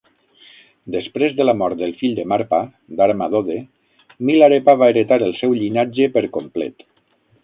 Després de la mort del fill de Marpa, Darma Dode, Milarepa va heretar el seu llinatge per complet.